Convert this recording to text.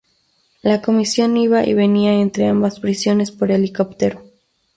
La comisión iba y venía entre ambas prisiones por helicóptero.